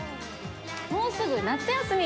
もうすぐ夏休み。